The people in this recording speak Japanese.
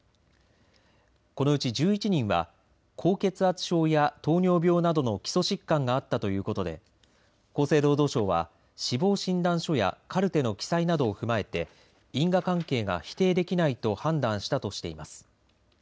このうち１１人は高血圧症や糖尿病などの基礎疾患があったということで厚生労働省は死亡診断書やカルテの記載などを踏まえて因果関係が否定できないと判断したとしています。